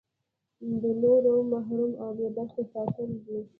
ده نور محروم او بې برخې ساتلي دي.